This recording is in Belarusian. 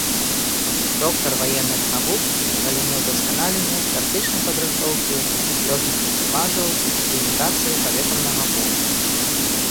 Доктар ваенных навук у галіне ўдасканалення тактычнай падрыхтоўкі лётных экіпажаў і імітацыі паветранага бою.